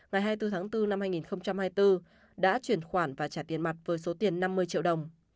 ngày hai mươi bốn tháng bốn năm hai nghìn hai mươi bốn đã chuyển khoản và trả tiền mặt với số tiền năm mươi triệu đồng